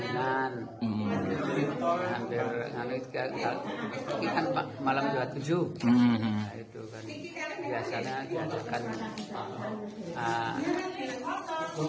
dengan petanda buat makanan atau logis ais furniture